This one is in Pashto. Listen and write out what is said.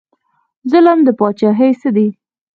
ظلم د پاچاهۍ څه دی؟